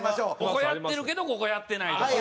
ここやってるけどここやってないとか。